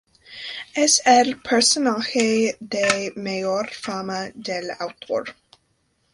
Es el personaje de mayor fama del autor.